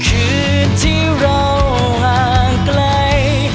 คือที่เราห่างไกล